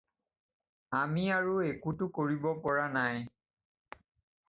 আমি আৰু একোটো কৰিব পৰা নাই।